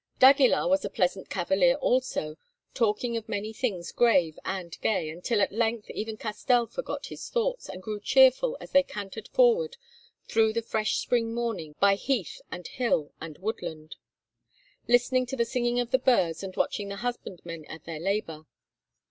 d'Aguilar was a pleasant cavalier also, talking of many things grave and gay, until at length even Castell forgot his thoughts, and grew cheerful as they cantered forward through the fresh spring morning by heath and hill and woodland, listening to the singing of the birds, and watching the husbandmen at their labour.